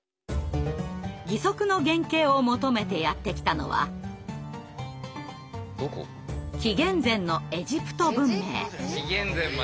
義足の原形を求めてやって来たのは紀元前のエジプト文明。